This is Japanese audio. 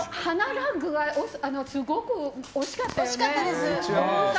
ラングはすごく惜しかったよね。